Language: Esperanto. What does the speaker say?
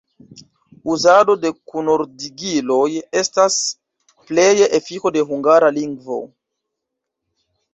Uzado de kunordigiloj estas pleje efiko de Hungara lingvo.